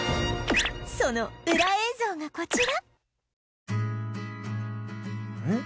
そのウラ映像がこちらん？